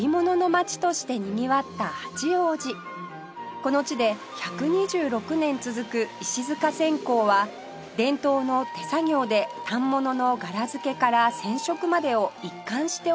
この地で１２６年続く石塚染工は伝統の手作業で反物の柄付けから染色までを一貫して行う工房です